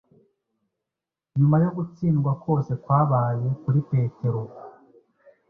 Nyuma yo gutsindwa kose kwabaye kuri Petero;